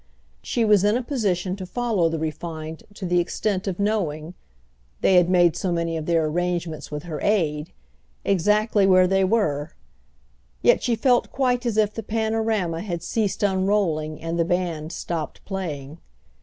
She was in a position to follow the refined to the extent of knowing—they had made so many of their arrangements with her aid—exactly where they were; yet she felt quite as if the panorama had ceased unrolling and the band stopped playing.